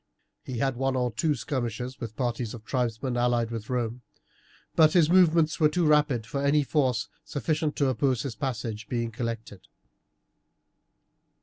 He had one or two skirmishes with parties of tribesmen allied with Rome, but his movements were too rapid for any force sufficient to oppose his passage being collected.